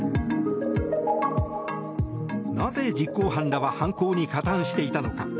なぜ実行犯らは犯行に加担していたのか。